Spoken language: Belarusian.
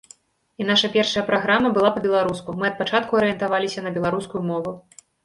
І наша першая праграма была па-беларуску, мы ад пачатку арыентаваліся на беларускую мову.